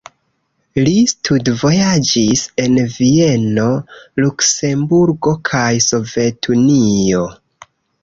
Li studvojaĝis en Vieno, Luksemburgo kaj Sovetunio.